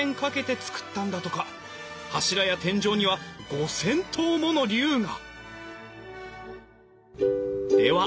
柱や天井には５，０００頭もの竜が。